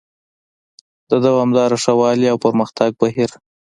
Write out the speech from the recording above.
د دوامداره ښه والي او پرمختګ بهیر: